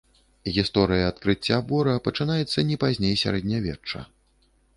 Гісторыя адкрыцця бора пачынаецца не пазней сярэднявечча.